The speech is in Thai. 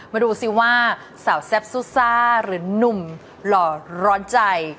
มาดูซิว่าสาวแซ่บซูซ่าหรือหนุ่มหล่อร้อนใจ